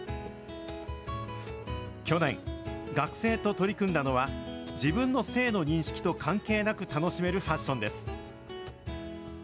去年、学生と取り組んだのは、自分の性の認識と関係なく楽しめるファッションです。